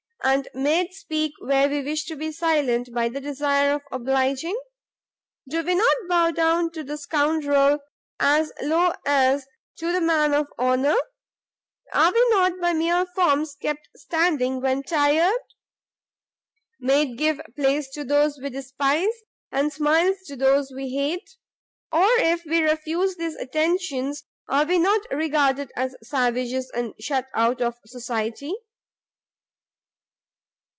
and made speak where we wish to be silent by the desire of obliging? do we not bow to the scoundrel as low as to the man of honour? are we not by mere forms kept standing when tired? made give place to those we despise? and smiles to those we hate? or if we refuse these attentions, are we not regarded as savages, and shut out of society?"